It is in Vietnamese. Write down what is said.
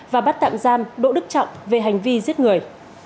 và bắt tạm giam đỗ đức trọng về hành vi giết người